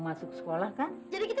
masuk sekolah kan